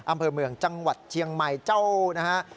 อำเภอเมืองจังหวัดเชียงใหม่เจ้านะฮะ